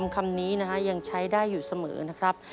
คำนี้นะฮะยังใช้ได้อยู่เสมอนะครับ